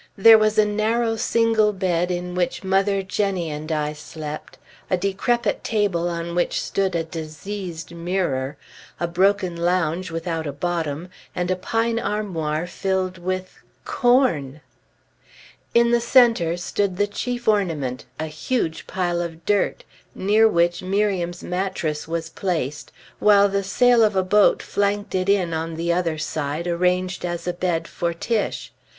There was a narrow single bed in which mother, Jenny, and I slept, a decrepit table on which stood a diseased mirror, a broken lounge without a bottom, and a pine armoir filled with corn! In the centre stood the chief ornament, a huge pile of dirt, near which Miriam's mattress was placed, while the sail of a boat flanked it in on the other side, arranged as a bed for Tiche.